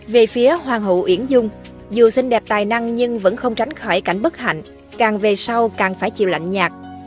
về phía hoàng hậu uyển dung dù xinh đẹp tài năng nhưng vẫn không tránh khỏi cảnh bất hạnh càng về sau càng phải chịu lạnh nhạt